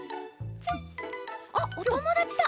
あっおともだちだ。